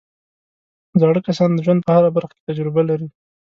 زاړه کسان د ژوند په هره برخه کې تجربه لري